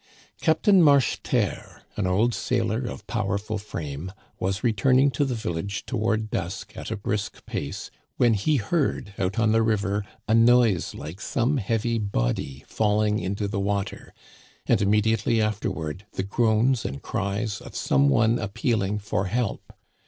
Captain Marcheterre, an old sailor of powerful frame, was returning to the village toward dusk at a brisk pace, when he heard out on the river a noise like some heavy body falling into the water, and immediately afterward the groans and cries of some one appealing for help.